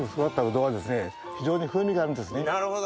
なるほど！